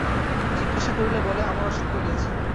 জিজ্ঞাসা করিলে বলে, আমার অসুখ করিয়াছে।